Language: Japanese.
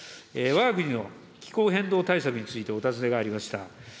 わが国の気候変動対策についてお尋ねがありました。